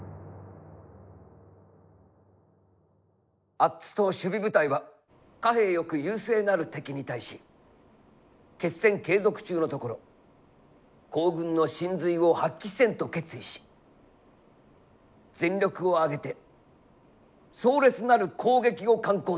アッツ島守備部隊は寡兵よく優勢なる敵に対し血戦継続中のところ皇軍の神髄を発揮せんと決意し全力を挙げて壮烈なる攻撃を敢行せり。